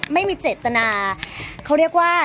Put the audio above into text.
ไม่มีเจตนาเขาเรียกว่า